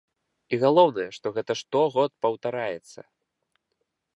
І галоўнае, што гэта штогод паўтараецца!